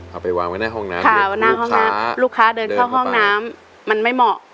เอาไปวางไว้ในห้องน้ำลูกค้าเดินเข้าห้องน้ำมันไม่เหมาะ